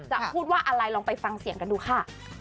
จะพูดว่าอะไรลองไปฟังเสียงกันดูค่ะ